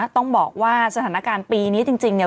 ต้องบอกว่าสถานการณ์ปีนี้จริงเนี่ย